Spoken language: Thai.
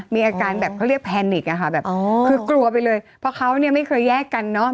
มีอาการแบบเขาเรียกแพนิกอะค่ะแบบอ๋อคือกลัวไปเลยเพราะเขาเนี่ยไม่เคยแยกกันเนอะ